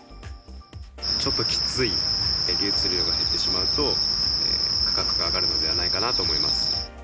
ちょっときつい、流通量が減ってしまうと、価格が上がるのではないかなと思います。